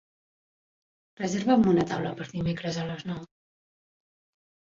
Reserva'm una taula per dimecres a les nou.